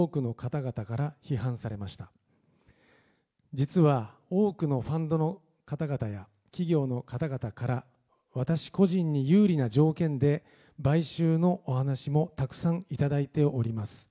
実は、多くのファンドの方々や企業の方々から私個人に有利な条件で買収のお話もたくさんいただいております。